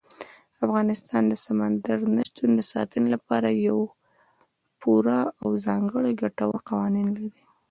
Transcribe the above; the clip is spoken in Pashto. افغانستان د سمندر نه شتون د ساتنې لپاره پوره او ځانګړي ګټور قوانین لري.